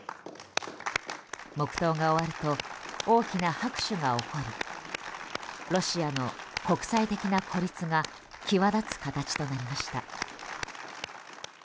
黙祷が終わると大きな拍手が起こりロシアの国際的な孤立が際立つ形となりました。